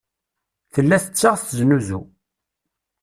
Tella tettaɣ teznuzu.